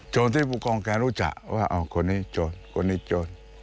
โจรที่ปุกรองแกรู้จักว่าโคนนี้โจรโคนนี้โจร